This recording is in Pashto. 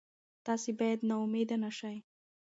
تاسي باید نا امیده نه شئ.